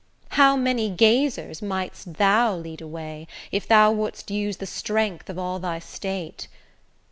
How many gazers mightst thou lead away, if thou wouldst use the strength of all thy state!